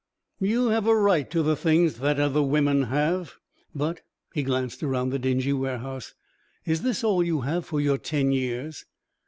You have a right to the things that other women have. But...." He glanced around the dingy warehouse. "Is this all you have for your ten years?"